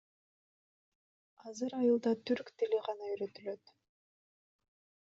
Азыр айылда түрк тили гана үйрөтүлөт.